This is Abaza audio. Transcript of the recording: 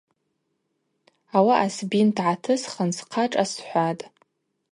Ауаъа сбинт гӏатысхын схъа шӏасхӏватӏ.